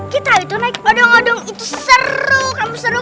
kita itu naik udung udung itu seru